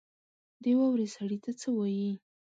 د واورې سړي ته څه وايي؟